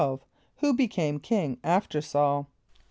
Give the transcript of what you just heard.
= Who became king after S[a:]ul?